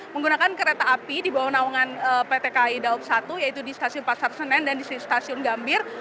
menggunakan kereta api di bawah naungan pt kai daob satu yaitu di stasiun pasar senen dan di stasiun gambir